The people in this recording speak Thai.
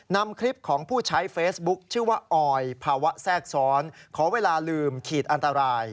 นำคลิปของผู้ใช้เฟซบุ๊คชื่อว่าออยภาวะแทรกซ้อนขอเวลาลืมขีดอันตราย